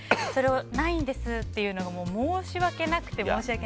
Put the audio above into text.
ないんですって言うのが申し訳なくて。